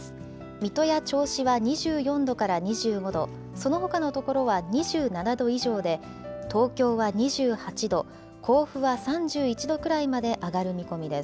水戸や銚子は２４度から２５度、そのほかの所は２７度以上で、東京は２８度、甲府は３１度くらいまで上がる見込みです。